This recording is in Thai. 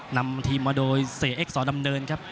นำทีมมาโดยอที่๖